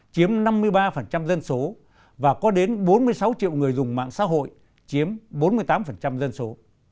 chiếm năm mươi ba dân số và có đến bốn mươi sáu triệu người dùng mạng xã hội chiếm bốn mươi tám dân số